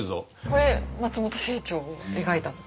これ松本清張を描いたんですか？